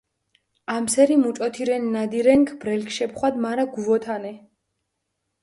ამსერი მუჭოთირენ ნადირენქ ბრელქ შეფხვადჷ, მარა გუვოთანე.